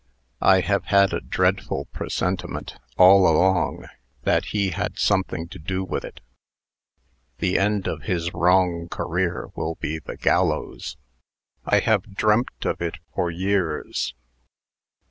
I have had a dreadful presentiment, all along, that he had something to do with it. The end of his wrong career will be the gallows. I have dreamt of it for years.